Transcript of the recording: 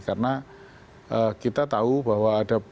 karena kita tahu bahwa ada